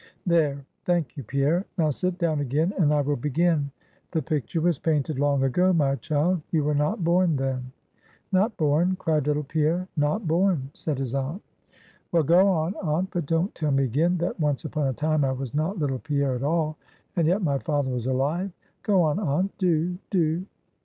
There; thank you, Pierre; now sit down again, and I will begin. The picture was painted long ago, my child; you were not born then." "Not born?" cried little Pierre. "Not born," said his aunt. "Well, go on, aunt; but don't tell me again that once upon a time I was not little Pierre at all, and yet my father was alive. Go on, aunt, do, do!"